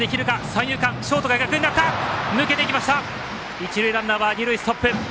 一塁ランナーは二塁ストップ。